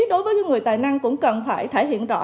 đối với những người tài năng cũng cần phải thể hiện rõ